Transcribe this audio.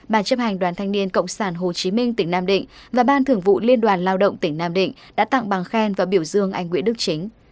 bàn chấp hành đoàn thanh niên cộng sản hồ chí minh tỉnh nam định và ban thưởng vụ liên đoàn lao động tỉnh nam định đã tặng bằng khen và biểu dương anh nguyễn đức chính